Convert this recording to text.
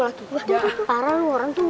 laki laki orang tua